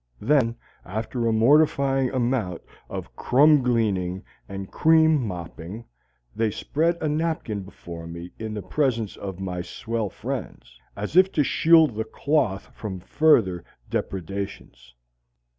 Then, after a mortifying amount of crumb gleaning and cream mopping, they spread a napkin before me in the presence of my swell friends, as if to shield the cloth from further depredations.